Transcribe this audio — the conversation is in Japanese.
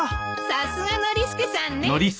さすがノリスケさんね。